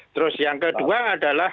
terus yang kedua adalah